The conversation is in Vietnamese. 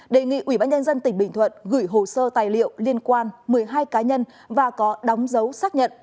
đề nghị ủy ban nhân dân tỉnh bình thuận gửi hồ sơ tài liệu liên quan một mươi hai cá nhân và có đóng dấu xác nhận